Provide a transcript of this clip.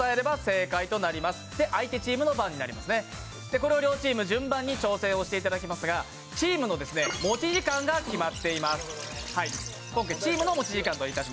これを両チーム、順番に挑戦をしていただきますが、チームの持ち時間が決まっています。